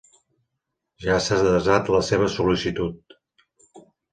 Ja s'ha desat la seva sol·licitud.